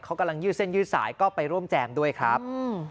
เขากำลังยืดเส้นยืดสายก็ไปร่วมแจมด้วยครับ